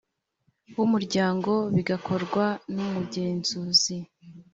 w umuryango bigakorwa n umugenzuzi